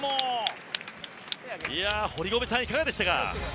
堀米さん、いかがでしたか？